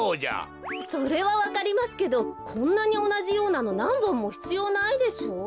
それはわかりますけどこんなにおなじようなのなんぼんもひつようないでしょ？